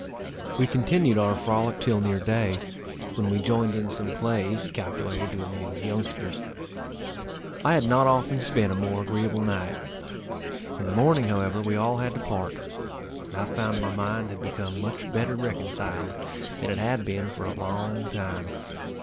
We continued our frolic till near day, when we joined in some plays, calculated to amuse youngsters. I had not often spent a more agreeable night. In the morning, however, we all had to part; and I found my mind had become much better reconciled than it had been for a long time.